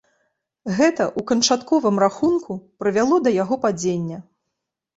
Гэта ў канчатковым рахунку прывяло да яго падзення.